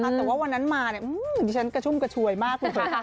แต่ว่าวันนั้นมาเนี่ยอื้อดิฉันกระชุ่มกระชวยมากกว่าเถอะ